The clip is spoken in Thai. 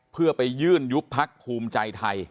เพื่อไปยื่นยุบพักภูมิใจไทย